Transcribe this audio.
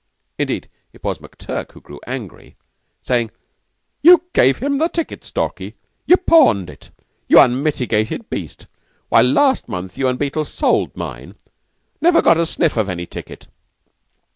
Indeed, it was McTurk who grew angry, saying: "You gave him the ticket, Stalky? You pawned it? You unmitigated beast! Why, last month you and Beetle sold mine! 'Never got a sniff of any ticket."